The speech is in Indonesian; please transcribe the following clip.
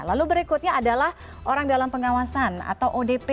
lalu berikutnya adalah orang dalam pengawasan atau odp